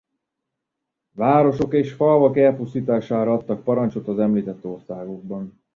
Városok és falvak elpusztítására adtak parancsot az említett országokban.